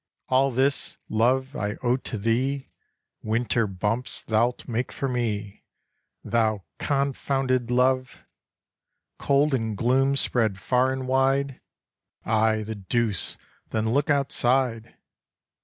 All this, love, I owe to thee, Winter bumps thou'lt make for me, Thou confounded love! Cold and gloom spread far and wide! Ay, the deuce! then look outside!